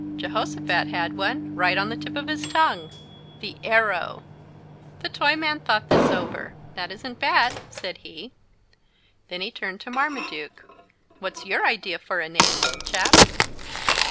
Jehosophat had one, right on the tip of his tongue. "The Arrow." The Toyman thought this over. "That isn't bad," said he. Then he turned to Marmaduke. "What's your idea for a name, little chap?"